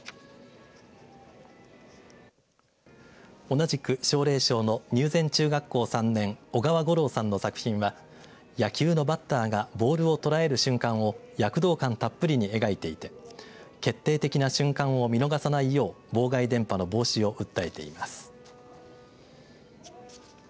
同じく奨励賞の入善中学校３年小川吾朗さんの作品は野球のバッターがボールを捉える瞬間を躍動感たっぷりに描いていて決定的な瞬間を見逃さないよう妨害電波の防止を訴えています。